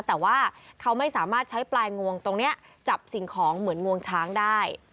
แต่ว่าเขาไม่สามารถใช้ปลายงวงตรงนี้จับสิ่งของเหมือนงวงช้างได้